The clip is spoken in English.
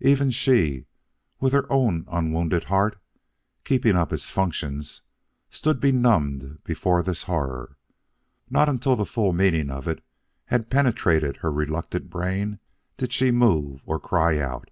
Even she, with her own unwounded heart keeping up its functions, stood benumbed before this horror. Not till the full meaning of it all had penetrated her reluctant brain did she move or cry out.